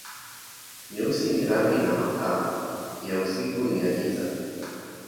Nyeusi ni rangi na makaa, ya usiku na ya giza.